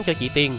cho chị tiên